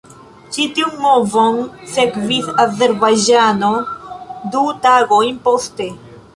Ĉi tiun movon sekvis Azerbajĝano du tagojn poste.